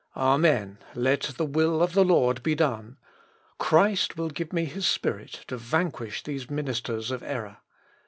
Amen! Let the will of the Lord be done. Christ will give me his Spirit to vanquish these ministers of error.